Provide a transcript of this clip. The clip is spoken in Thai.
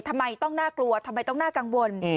ทำไมต้องน่ากลัวทำไมต้องน่ากังวล